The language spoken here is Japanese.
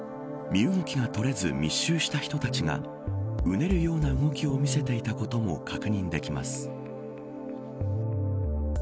身動きがとれず密集した人たちがうねるような動きを見せていたことも確認できます。